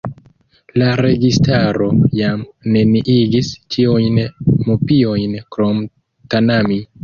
La registaro jam neniigis ĉiujn mupiojn krom Tanami.